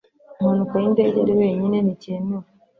mpanuka y indege ari wenyine nticyemewe